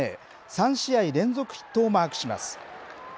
３試合連続ヒットをマークします。